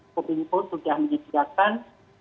kominfo sudah menyediakan